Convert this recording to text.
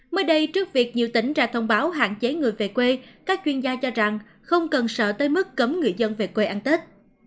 mới đây trước việc nhiều tỉnh ra thông báo hạn chế người về quê các chuyên gia cho rằng không cần sợ tới mức cấm người dân về quê ăn tết